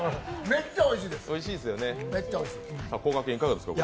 めっちゃおいしいです。